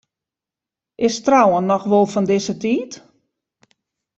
Is trouwen noch wol fan dizze tiid?